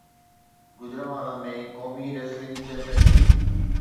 گوجرانوالا ۾ قومي wrestling champion ship